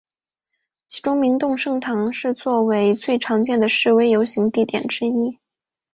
其中明洞圣堂是作为最常见的示威游行地点之一。